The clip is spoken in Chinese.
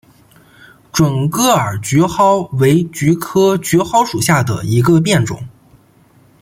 准噶尔绢蒿为菊科绢蒿属下的一个变种。